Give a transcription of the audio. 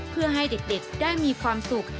เพื่อให้เด็กได้มีความสุข